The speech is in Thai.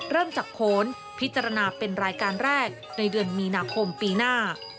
เริ่มจากโค้นพิจารณาเป็นรายการแรกในเดือนมีนาคมปีหน้า